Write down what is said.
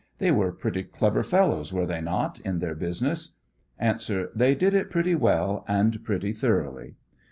They were pretty clever fellows, were they not, in their business ?: A. They did it pretty well and pretty thoroughly.